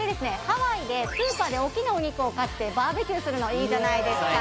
ハワイでスーパーで大きなお肉を買ってバーベキューするのいいじゃないですか・